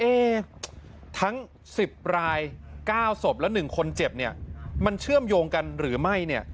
ทั้ง๑๐ราย๙ศพและ๑คนเจ็บเนี่ยมันเชื่อมโยงกันหรือไม่เนี่ย